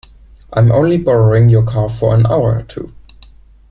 I’m only borrowing your car for an hour or two.